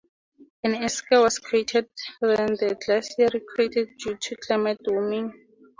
An esker was created when the glacier retreated due to climate warming.